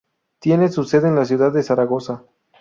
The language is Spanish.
Tiene su sede en la ciudad de Zaragoza.